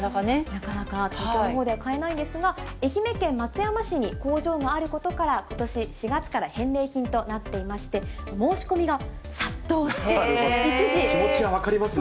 なかなか、買えないんですが、愛媛県松山市に工場があることから、ことし４月から返礼品となっていまして、気持ちは分かりますね。